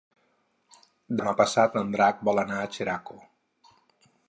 Demà passat en Drac vol anar a Xeraco.